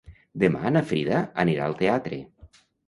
Demà na Frida anirà al teatre.